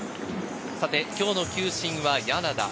今日の球審は柳田。